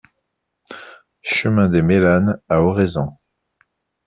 Chemin des Mélanes à Oraison